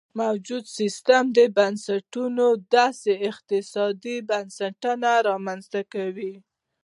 موجوده سیاسي بنسټونو داسې اقتصادي بنسټونه رامنځته کړي.